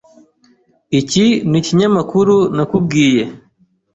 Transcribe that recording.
Iki nikinyamakuru nakubwiye.